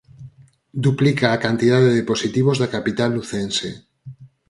Duplica a cantidade de positivos da capital lucense.